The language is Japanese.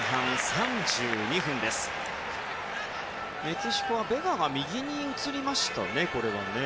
メキシコはベガが右に移りましたね。